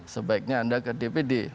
sebaiknya anda ke dpd